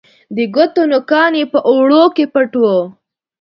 د ګوتو نوکان یې په اوړو کې پټ وه